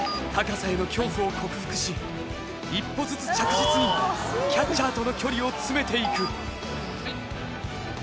高さへの恐怖を克服し一歩ずつ着実にキャッチャーとの距離を詰めていく。